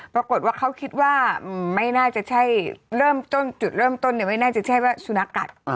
ปรากฏว่าเขาคิดว่าไม่น่าจะใช่เริ่มต้นจุดเริ่มต้นไม่น่าจะใช่ว่าสุนัขกัด